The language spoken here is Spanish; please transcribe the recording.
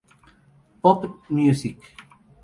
Pop'n Music".